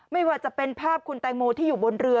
ไม่ว่าจะเป็นภาพคุณแตงโมที่อยู่บนเรือ